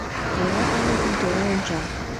— Тайра Анукым тура онча.